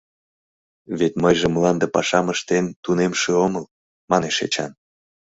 Вет мыйже мланде пашам ыштен тунемше омыл, — манеш Эчан.